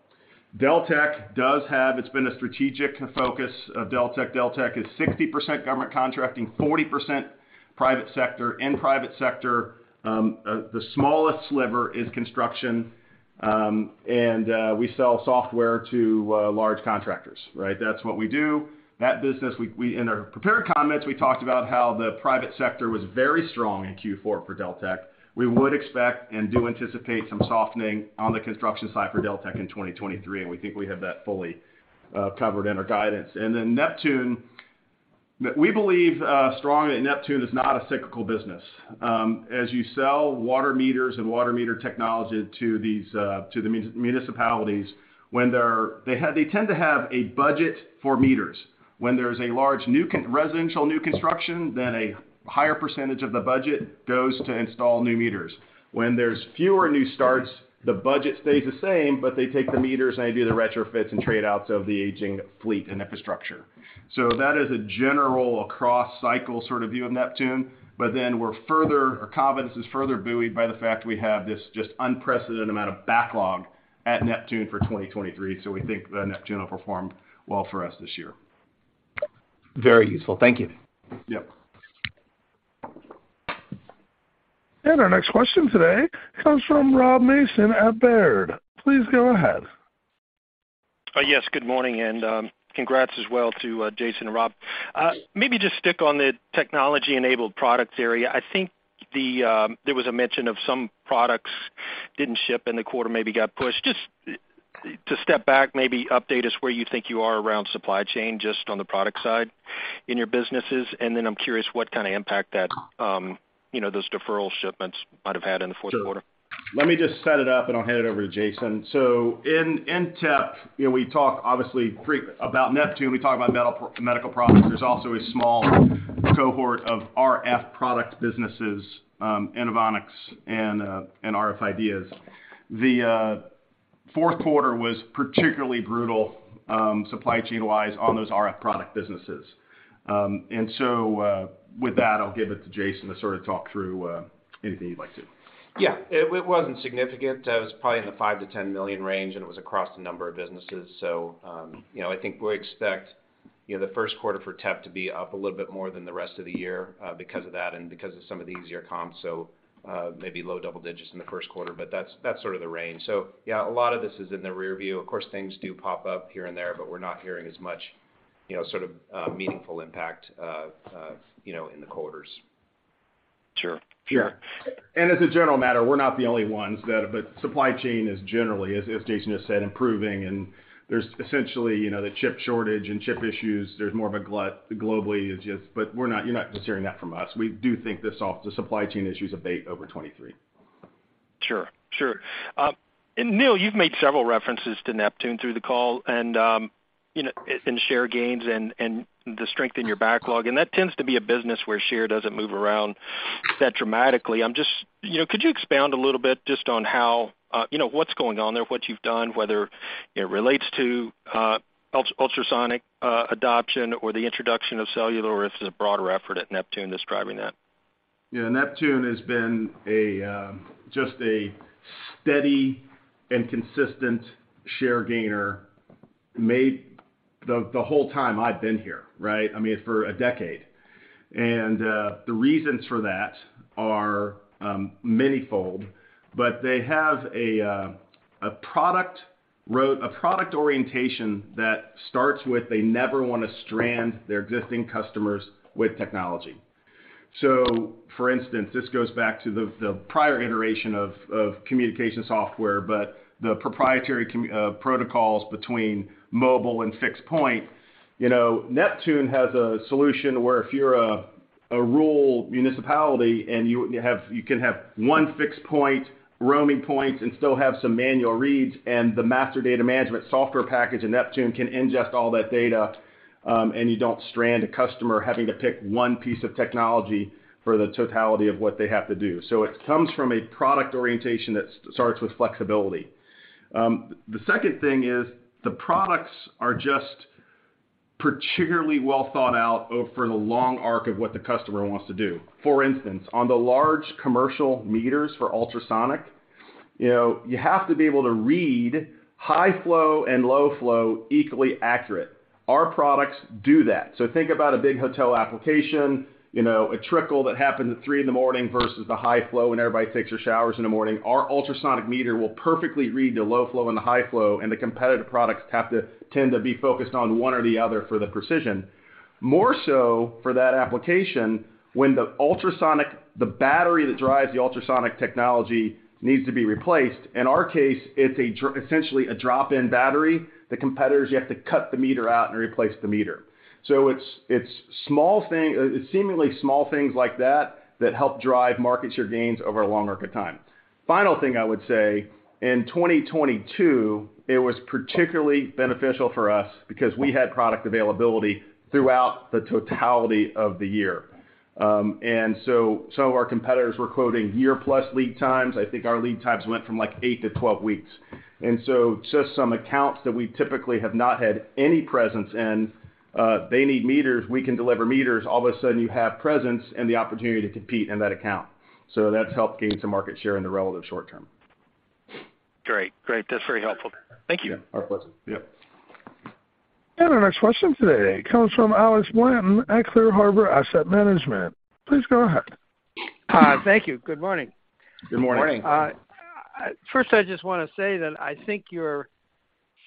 Deltek does have, it's been a strategic focus of Deltek. Deltek is 60% government contracting, 40% private sector. In private sector, the smallest sliver is construction, and we sell software to large contractors, right? That's what we do. That business, in our prepared comments, we talked about how the private sector was very strong in Q4 for Deltek. We would expect and do anticipate some softening on the construction side for Deltek in 2023, and we think we have that fully covered in our guidance. Neptune, we believe strongly that Neptune is not a cyclical business. As you sell water meters and water meter technology to these, to the municipalities, they tend to have a budget for meters. When there's a large new residential new construction, then a higher percentage of the budget goes to install new meters. When there's fewer new starts, the budget stays the same, but they take the meters, and they do the retrofits and trade outs of the aging fleet and infrastructure. That is a general across cycle sort of view of Neptune. Our confidence is further buoyed by the fact we have this just unprecedented amount of backlog at Neptune for 2023. We think that Neptune will perform well for us this year. Very useful. Thank you. Yep. Our next question today comes from Rob Mason at Baird. Please go ahead. Yes, good morning, and congrats as well to Jason and Rob. Maybe just stick on the technology-enabled product area. I think the there was a mention of some products didn't ship in the quarter, maybe got pushed. Just to step back, maybe update us where you think you are around supply chain, just on the product side in your businesses. I'm curious what kind of impact that, you know, those deferral shipments might have had in the fourth quarter. Let me just set it up, and I'll hand it over to Jason. In TEP, you know, we talk obviously about Neptune, we talk about medical products. There's also a small cohort of RF product businesses, Inovonics and rf IDEAS. The fourth quarter was particularly brutal, supply chain-wise on those RF product businesses. With that, I'll give it to Jason to sort of talk through anything you'd like to. It wasn't significant. It was probably in the $5 million-$10 million range, and it was across a number of businesses. I think we expect, you know, the first quarter for TEP to be up a little bit more than the rest of the year because of that and because of some of the easier comps, maybe low double digits in the first quarter, but that's sort of the range. A lot of this is in the rearview. Of course, things do pop up here and there, but we're not hearing as much, you know, sort of meaningful impact, you know, in the quarters. Sure. Sure. As a general matter, we're not the only ones that the supply chain is generally, as Jason has said, improving. There's essentially, you know, the chip shortage and chip issues. There's more of a glut globally. It's just... You're not just hearing that from us. We do think this all, the supply chain issues abate over 2023. Sure. Sure. Neil, you've made several references to Neptune through the call and, you know, in share gains and the strength in your backlog. That tends to be a business where share doesn't move around that dramatically. I'm just, you know, could you expound a little bit just on how, you know, what's going on there, what you've done, whether it relates to, ultrasonic adoption or the introduction of cellular, or it's a broader effort at Neptune that's driving that? Yeah. Neptune has been a just a steady and consistent share gainer made the whole time I've been here, right? I mean, for a decade. The reasons for that are manyfold, but they have a product orientation that starts with, they never wanna strand their existing customers with technology. For instance, this goes back to the prior iteration of communication software, but the proprietary protocols between mobile and fixed point. You know, Neptune has a solution where if you're a rural municipality and you can have one fixed point, roaming points, and still have some manual reads, and the master data management software package in Neptune can ingest all that data, and you don't strand a customer having to pick one piece of technology for the totality of what they have to do. It comes from a product orientation that starts with flexibility. The second thing is the products are just particularly well thought out for the long arc of what the customer wants to do. For instance, on the large commercial meters for ultrasonic, you know, you have to be able to read high flow and low flow equally accurate. Our products do that. Think about a big hotel application, you know, a trickle that happens at 3 in the morning versus the high flow when everybody takes their showers in the morning. Our ultrasonic meter will perfectly read the low flow and the high flow, and the competitive products have to tend to be focused on 1 or the other for the precision. More so for that application, when the ultrasonic, the battery that drives the ultrasonic technology needs to be replaced. In our case, it's essentially a drop-in battery. The competitors, you have to cut the meter out and replace the meter. It's small thing... It's seemingly small things like that that help drive market share gains over a long arc of time. Final thing I would say, in 2022, it was particularly beneficial for us because we had product availability throughout the totality of the year. Some of our competitors were quoting year plus lead times. I think our lead times went from, like, 8-12 weeks. Just some accounts that we typically have not had any presence in, they need meters, we can deliver meters. All of a sudden you have presence and the opportunity to compete in that account. That's helped gain some market share in the relative short term. Great. That's very helpful. Thank you. Yeah. Our pleasure. Yep. Our next question today comes from Alex Blanton at ClearHarbor Asset Management. Please go ahead. Hi. Thank you. Good morning. Good morning. Good morning. first I just wanna say that I think your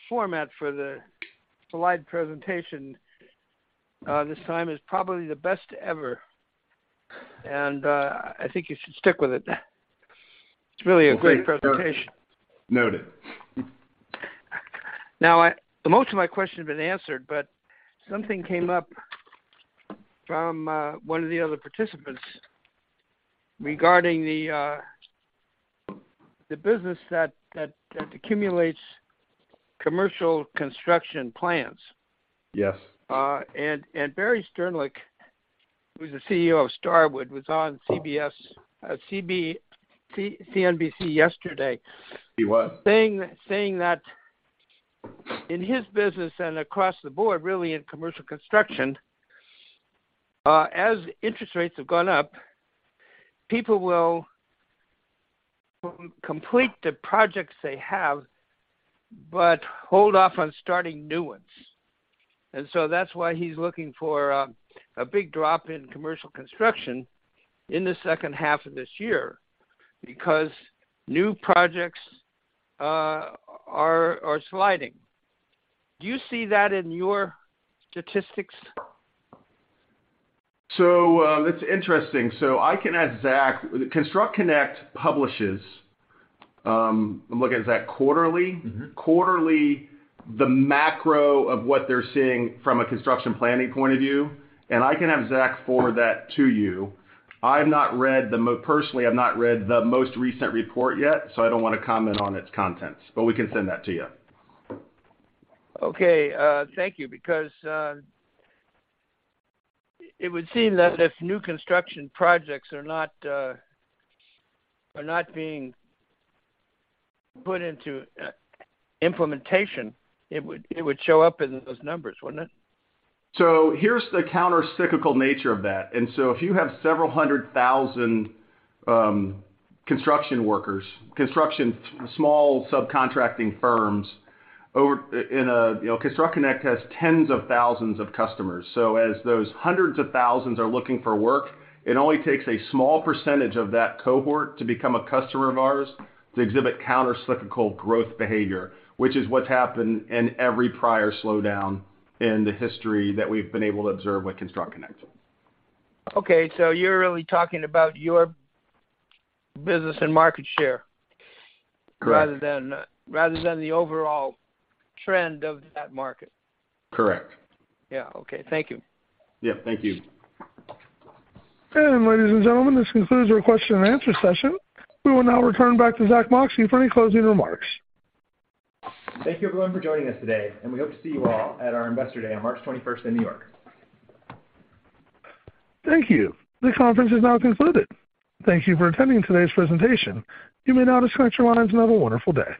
format for the slide presentation, this time is probably the best ever, and, I think you should stick with it. It's really a great presentation. Noted. Most of my question have been answered, but something came up from one of the other participants regarding the business that accumulates commercial construction plans. Yes. Barry Sternlicht, who's the CEO of Starwood, was on CBS, CNBC yesterday. He was Saying that in his business and across the board, really in commercial construction, as interest rates have gone up, people will complete the projects they have but hold off on starting new ones. That's why he's looking for a big drop in commercial construction in the second half of this year because new projects are sliding. Do you see that in your statistics? That's interesting. I can have Zach. ConstructConnect publishes, I'm looking at Zach, quarterly? Mm-hmm. Quarterly, the macro of what they're seeing from a construction planning point of view, and I can have Zack forward that to you. Personally, I've not read the most recent report yet, so I don't wanna comment on its contents. We can send that to you. Okay. Thank you. It would seem that if new construction projects are not, are not being put into implementation, it would show up in those numbers, wouldn't it? Here's the countercyclical nature of that. If you have several hundred thousand construction workers, construction small subcontracting firms in a, you know, ConstructConnect has tens of thousands of customers. As those hundreds of thousands are looking for work, it only takes a small percentage of that cohort to become a customer of ours to exhibit countercyclical growth behavior, which is what's happened in every prior slowdown in the history that we've been able to observe with ConstructConnect. Okay. You're really talking about your business and market share- Correct Rather than the overall trend of that market. Correct. Yeah. Okay. Thank you. Yeah, thank you. Ladies and gentlemen, this concludes our question and answer session. We will now return back to Zack Moxcey for any closing remarks. Thank you everyone for joining us today, and we hope to see you all at our Investor Day on March 21st in New York. Thank you. The conference is now concluded. Thank you for attending today's presentation. You may now disconnect your lines and have a wonderful day.